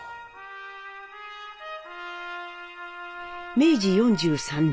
明治４３年。